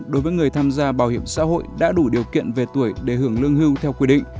đối với người tham gia bảo hiểm xã hội đã đủ điều kiện về tuổi để hưởng lương hưu theo quy định